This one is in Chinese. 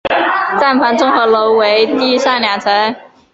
站房综合楼为地上两层。